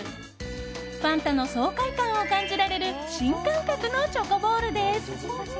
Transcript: ファンタの爽快感を感じられる新感覚のチョコボールです。